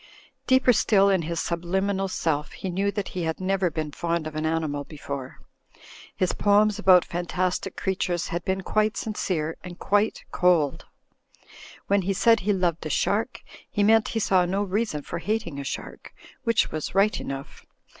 Deeper still in his subliminal self he knew that he had never been fond of an animal before. His poems about fantastic creatures had been quite sincere, and quite cold. When he said he loved a shark, he meant he saw no reason for hating a shark, which was right enough.